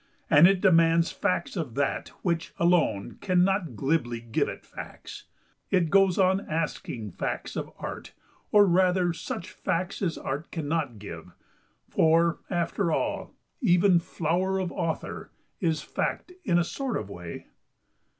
And it demands facts of that, which alone cannot glibly give it facts. It goes on asking facts of Art, or, rather, such facts as Art cannot give—for, after all, even "flower of author" is fact in a sort of way.